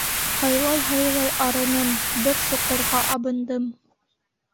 Һайлай-һайлай арыным, бер соҡорға абындым.